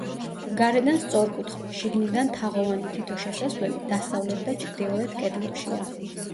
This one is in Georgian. გარედან სწორკუთხა, შიგნიდან თაღოვანი თითო შესასვლელი დასავლეთ და ჩრდილოეთ კედლებშია.